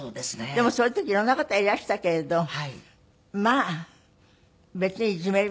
でもそういう時色んな方いらしたけれどまあ別にいじめる人もいなかったし。